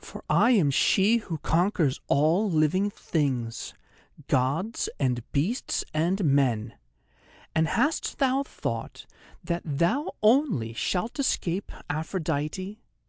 For I am she who conquers all things living: Gods and beasts and men. And hast thou thought that thou only shalt escape Aphrodite?